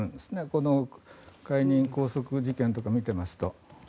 この解任、拘束事件とかを見ていますと。